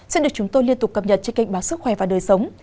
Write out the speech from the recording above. xin được chúng tôi liên tục cập nhật trên kênh báo sức khỏe và đời sống